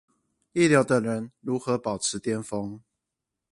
一流的人如何保持顛峰